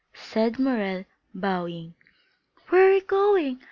said Morrel, bowing. "Where are you going?"